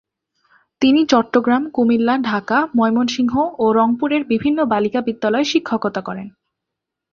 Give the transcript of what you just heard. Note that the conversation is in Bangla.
তিনি চট্টগ্রাম, কুমিল্লা, ঢাকা, ময়মনসিংহ ও রংপুরের বিভিন্ন বালিকা বিদ্যালয়ে শিক্ষকতা করেন।